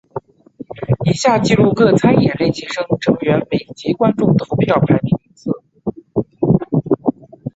以下记录各参演练习生成员每集观众投票排名名次。